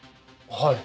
はい。